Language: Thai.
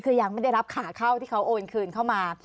คือยังไม่ได้รับขาเข้าที่เขาโอนคืนเข้ามา